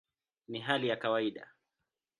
Ni hali ya kawaida".